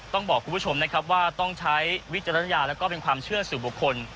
ต้องบอกคุณผู้ชมนะครับว่าต้องใช้วิจารณญาณแล้วก็เป็นความเชื่อสู่บุคคล